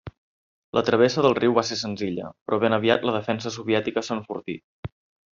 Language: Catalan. La travessa del riu va ser senzilla, però ben aviat la defensa soviètica s'enfortí.